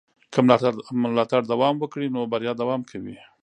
که ملاتړ دوام وکړي نو بریا دوام کوي.